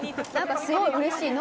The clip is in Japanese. すごいうれしい。